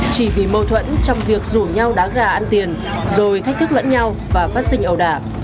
chỉ vì mâu thuẫn trong việc rủ nhau đá gà ăn tiền rồi thách thức lẫn nhau và phát sinh ẩu đả